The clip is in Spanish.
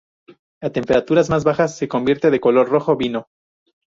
A temperaturas más bajas, se convierte de color rojo vino.